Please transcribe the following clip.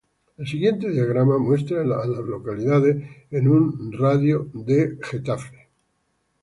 El siguiente diagrama muestra a las localidades en un radio de de East Rockingham.